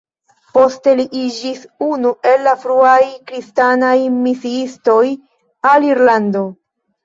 Poste li iĝis unu el la fruaj kristanaj misiistoj al Irlando.